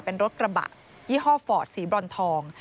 เป็นรถกระบะยี่ห้อฟอร์ดสีบรอนทอง